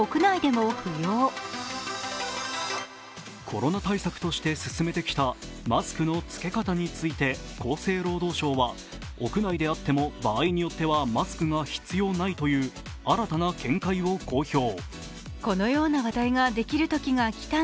コロナ対策としてすすめてきたマスクの着け方について厚生労働省は屋内であっても場合によってはマスクが必要ないという新たな見解を公表。